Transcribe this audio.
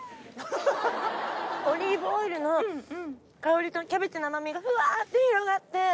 オリーブオイルの香りとキャベツの甘みがふわって広がって。